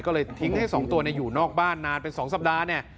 ก็เลยทิ้งให้สองตัวอยู่นอกบ้านนานเป็นสองสัปดาห์